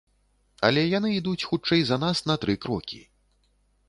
Але яны ідуць хутчэй за нас на тры крокі.